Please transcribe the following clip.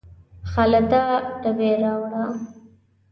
خالده ډبې راوړه